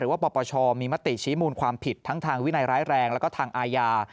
ว่าปปชมีมติชี้มูลความผิดทั้งทางวินัยร้ายแรงแล้วก็ทางอาญา